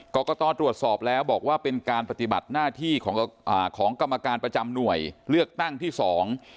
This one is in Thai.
กรกตตรวจสอบแล้วบอกว่าเป็นการปฏิบัติหน้าที่ของอ่าของกรรมการประจำหน่วยเลือกตั้งที่สอง